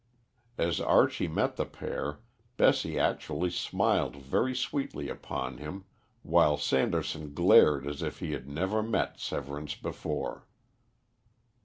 As Archie met the pair, Bessie actually smiled very sweetly upon him, while Sanderson glared as if he had never met Severance before.